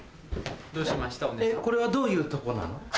これはどういうとこなの？